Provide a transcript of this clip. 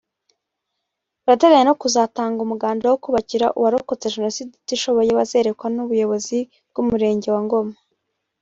Barateganya no kuzatanga umuganda wo kubakira uwarokotse jenoside utishoboye bazerekwa n’ubuyobozi bw’Umurenge wa Ngoma